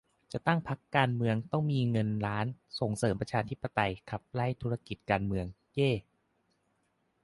จะตั้งพรรคการเมืองต้องมีเงินล้าน ส่งเสริมประชาธิปไตย ขับไล่ธุรกิจการเมือง เย้ !